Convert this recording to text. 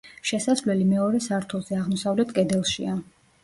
შესასვლელი მეორე სართულზე აღმოსავლეთ კედელშია.